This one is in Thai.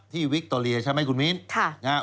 ที่ตอเลียใช่ไหมคุณมิ้นทร์